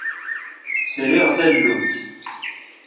Sriɣ tallunt.